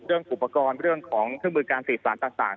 อุปกรณ์เรื่องของเครื่องมือการสื่อสารต่าง